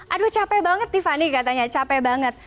aduh capek banget tiffany katanya capek banget